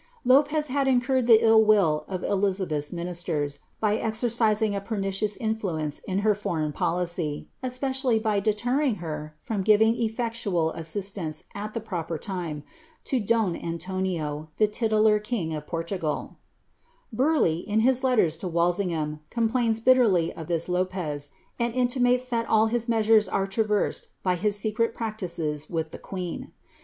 Lo|.cz had incurred the ill will of F.lizabelh's ministers, bv exerci^lM a pernicious inliuence in her foreign policy, cspeciallv bv dcierri;)£ he from giving effectual asaislanee, at the proper time, lo don Aiilonn', the 'Camden; Lingaid^ MV.ui. •VlA i, 'lijiA BLIZABBTH. 131 titular king of Portugal. Burleigh, in his letters to Walsingham, com plains bitterly of this Lopez, and intimates that all his measures are tra versed by his secret practices with the queen.